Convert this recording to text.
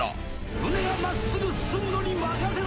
船が真っすぐ進むのに任せろ！